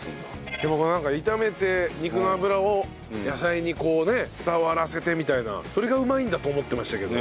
でもなんか炒めて肉の脂を野菜にこうね伝わらせてみたいなそれがうまいんだと思ってましたけど。